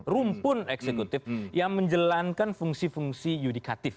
rumpun eksekutif yang menjalankan fungsi fungsi yudikatif